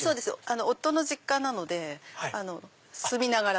夫の実家なので住みながら。